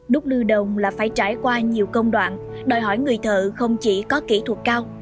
nút lưu đồng là phải trải qua nhiều công đoạn đòi hỏi người thợ không chỉ có kỹ thuật cao